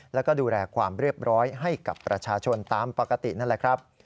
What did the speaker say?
แล้วก็ดูแลความเรียบร้อยให้กับประชาชนตามปกตินั่นแหละครับ